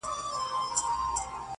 o په پردي پرتاگه ځان نه پټېږي.